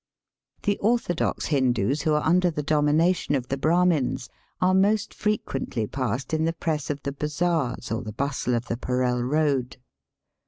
The orthodox Hindoos who are under the domination of the Brahmins are most fre quently passed in the press of the bazaars or the bustle of the Parell Eoad.